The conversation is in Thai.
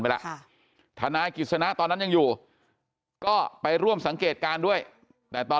ล่ะทนายกิจสนะตอนนั้นยังอยู่ก็ไปร่วมสังเกตการณ์ด้วยแต่ตอน